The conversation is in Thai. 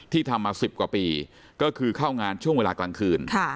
ทำมา๑๐กว่าปีก็คือเข้างานช่วงเวลากลางคืน